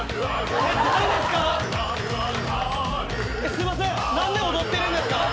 すいません何で踊ってるんですか？